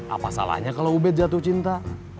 apa salahnya kalau ubed jatuh cinta